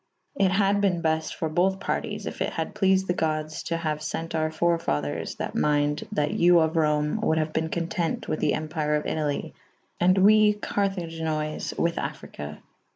It had ben befte for bothe parties if it had pleafed the goddes to haue fent our fore faders that mynde / that you of Rome wolde have ben content with the Empyre of Italy /& we Caraginoys' with Affryke.